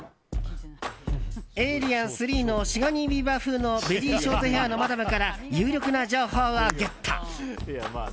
「エイリアン３」のシガニー・ウィーバー風のベリーショートヘアのマダムから有力な情報をゲット。